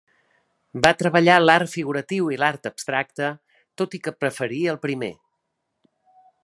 Va treballar l'art figuratiu i l'art abstracte, tot i que preferia el primer.